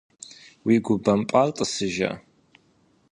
Уи гу бэмпӀар тӀысыжа?